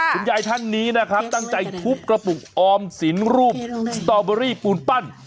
ท่านนี้นะครับตั้งใจทุบกระปุกออมสินรูปสตอเบอรี่ปูนปั้น